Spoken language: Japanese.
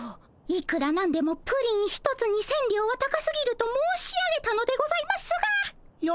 いくら何でもプリン一つに千両は高すぎると申し上げたのでございますが。